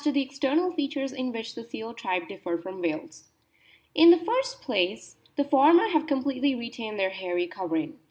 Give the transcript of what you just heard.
WHALES AND SEALS 89 Now as to external features in which the seal tribe differ from the whales. In the first place the former have completely retained their hairy covering.